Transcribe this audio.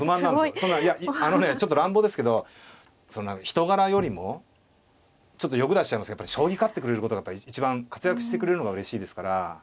そんないやちょっと乱暴ですけどそんな人柄よりもちょっと欲出しちゃいますけど将棋勝ってくれることがやっぱり一番活躍してくれるのがうれしいですから。